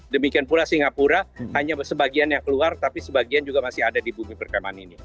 demikian pula singapura hanya sebagian yang keluar tapi sebagian juga masih ada di bumi perkembangan ini